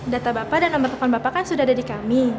data bapak dan nomor telepon bapak kan sudah ada di kami